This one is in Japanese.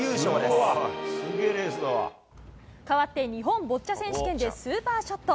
かわって日本ボッチャ選手権でスーパーショット。